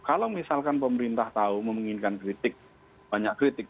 kalau misalkan pemerintah tahu meminginkan kritik banyak kritik